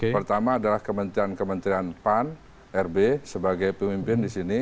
pertama adalah kementerian kementerian pan rb sebagai pemimpin disini